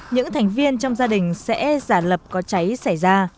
những thành viên trong gia đình sẽ giả lập có cháy xảy ra